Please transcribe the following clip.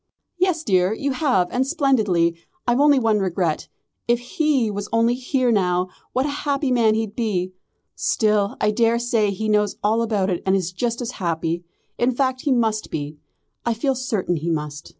"Yes, dear, you have, and splendidly! I've only one regret. If he was only here now, what a happy man he'd be! Still, I daresay he knows all about it and is just as happy. In fact he must be. I feel certain he must.